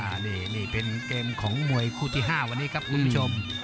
อันนี้นี่เป็นเกมของมวยคู่ที่๕วันนี้ครับคุณผู้ชม